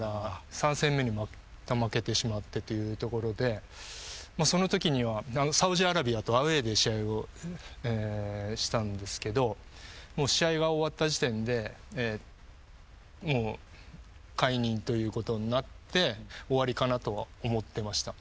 ３戦目にまた負けてしまってというところでそのときにはサウジアラビアとアウェーで試合をしたんですけど試合が終わった時点でもう解任ということになって終わりかなとは思ってました。